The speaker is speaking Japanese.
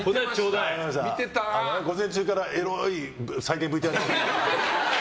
午前中からエロい再現ＶＴＲ。